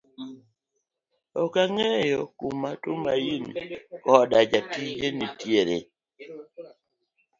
okang'eyo kuma Tumaini koda jatije nitiere.